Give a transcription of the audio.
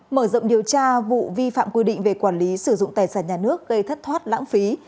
mở rộng điều tra vụ vi phạm quy định về quản lý sử dụng tài sản nhà nước gây thất thoát lãng phí